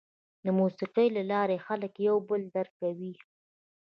د موسیقۍ له لارې خلک یو بل درک کوي.